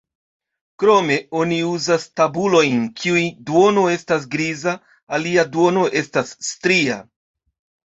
Krome oni uzas tabulojn, kiun duono estas griza, alia duono estas stria.